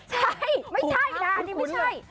ใช่ไม่ใช่นะอันนี้ไม่ใช่